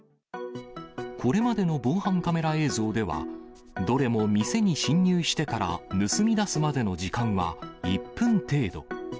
これまでの防犯カメラ映像では、どれも店に侵入してから盗み出すまでの時間は、１分程度。